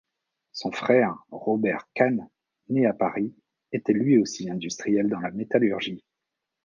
Son frère, Robert Kahn, né à Paris, était lui aussi industriel dans la métallurgie.